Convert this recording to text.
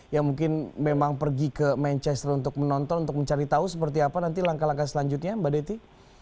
yang mungkin memang pergi ke manchester untuk menonton untuk mencari tahu seperti apa nanti langkah langkah selanjutnya mbak dety